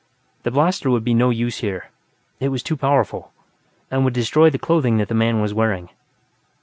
The blaster would be no use here; it was too powerful, and would destroy the clothing that the man was wearing.